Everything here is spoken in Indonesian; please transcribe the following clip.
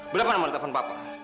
berapa nomer telepon papa